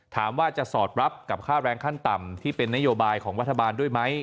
ถามว่าจะสอดรับกับค่าแรงขั้นต่ำที่เป็นนโยบายของรัฐบาลด้วยไหม